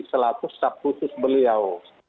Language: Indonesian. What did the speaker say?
selaku staff khusus beliau